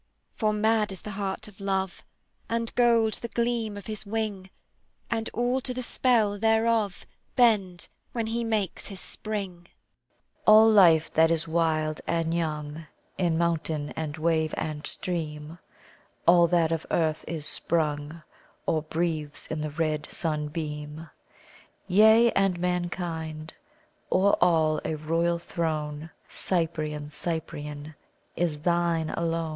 For mad is the heart of Love, And gold the gleam of his wing; And all to the spell thereof Bend, when he makes his spring; All life that is wild and young In mountain and wave and stream, All that of earth is sprung, Or breathes in the red sunbeam; Yea, and Mankind. O'er all a royal throne, Cyprian, Cyprian, is thine alone!